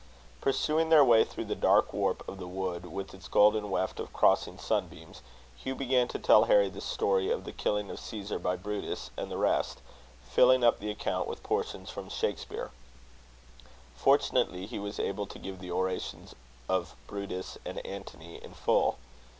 Pursuing their way through the dark warp of the wood, with its golden weft of crossing sunbeams, Hugh began to tell Harry the story of the killing of Caesar by Brutus and the rest, filling up the account with portions from Shakspere. Fortunately, he was able to give the orations of Brutus and Antony in full.